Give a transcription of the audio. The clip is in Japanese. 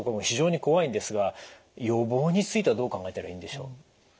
非常に怖いんですが予防についてはどう考えたらいいんでしょう？